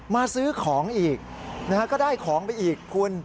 มาซื้อของอีกนะฮะก็ได้ของไปอีกคุณ